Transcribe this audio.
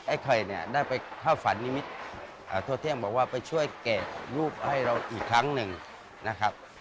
คอยเนี่ยได้ไปเข้าฝันนิมิตรทั่วเที่ยงบอกว่าไปช่วยแกะรูปให้เราอีกครั้งหนึ่งนะครับ